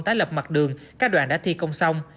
tái lập mặt đường các đoàn đã thi công xong